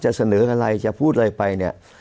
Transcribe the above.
เสนออะไรจะพูดอะไรไปเนี่ย